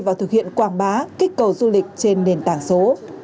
và thực hiện quảng bá kích cầu du lịch trên nền tảng số